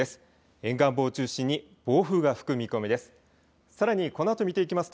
沿岸部を中心に暴風が吹く見込みです。